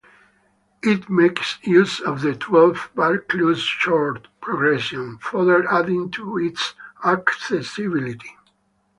It makes use of the twelve-bar blues chord progression, further adding to its accessibility.